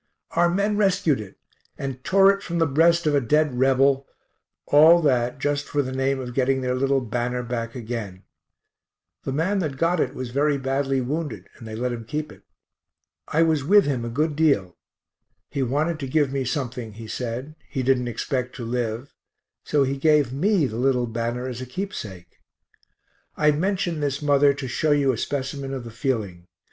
Our men rescued it, and tore it from the breast of a dead Rebel all that just for the name of getting their little banner back again. The man that got it was very badly wounded, and they let him keep it. I was with him a good deal; he wanted to give me something, he said, he didn't expect to live, so he gave me the little banner as a keepsake. I mention this, mother, to show you a specimen of the feeling.